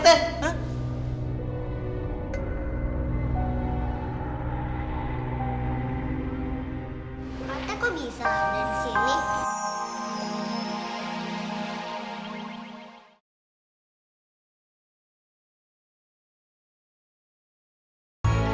oh harusnya aku tinggal